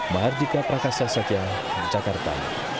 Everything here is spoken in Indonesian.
mahardika prakasa satya jakarta